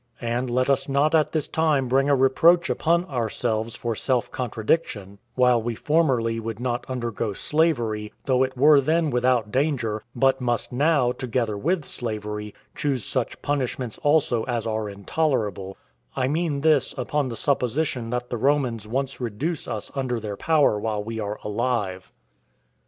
And let us not at this time bring a reproach upon ourselves for self contradiction, while we formerly would not undergo slavery, though it were then without danger, but must now, together with slavery, choose such punishments also as are intolerable; I mean this, upon the supposition that the Romans once reduce us under their power while we are alive.